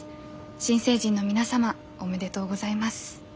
新成人の皆様おめでとうございます。